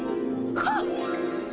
はっ！